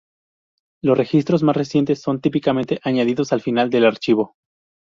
Los registros más recientes son típicamente añadidos al final del archivo.